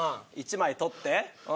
１枚取って。